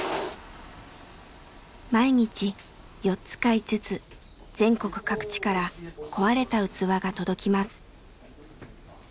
毎日４つか５つ全国各地から壊れた器が届きます。